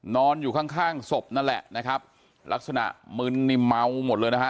นอนอยู่ข้างข้างศพนั่นแหละนะครับลักษณะมึนนี่เมาหมดเลยนะฮะ